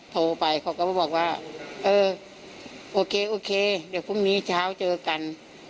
โทรไปเขาก็มาบอกว่าเออโอเคโอเคเดี๋ยวพรุ่งนี้เช้าเจอกัน